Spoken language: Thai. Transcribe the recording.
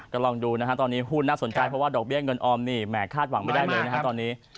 ก็ลองดูนะฮะตอนนี้หุ้นน่าสนใจเพราะว่าดอกเบี้ยเงินออมนี่แหมคาดหวังไม่ได้เลยนะครับตอนนี้